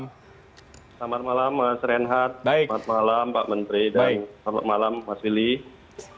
selamat malam mas renhat selamat malam pak menteri dan selamat malam mas willy